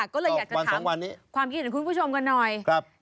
ก็เลยอยากจะถามความคิดเห็นคุณผู้ชมกันหน่อย